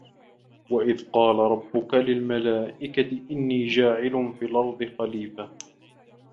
وَإِذْ قَالَ رَبُّكَ لِلْمَلَائِكَةِ إِنِّي جَاعِلٌ فِي الْأَرْضِ خَلِيفَةً